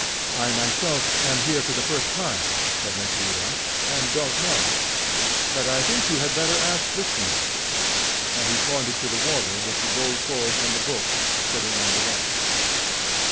"I myself am here for the first time," said Nekhludoff, "and don't know; but I think you had better ask this man," and he pointed to the warder with the gold cords and the book, sitting on the right.